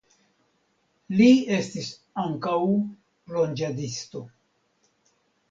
Li estis ankaŭ plonĝadisto.